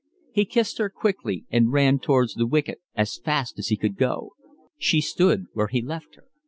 He kissed her quickly and ran towards the wicket as fast as he could. She stood where he left her.